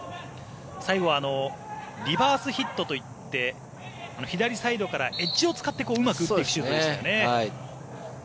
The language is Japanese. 最後はリバースヒットといって左サイドからエッジを使ってうまくやるシュートでしたよね。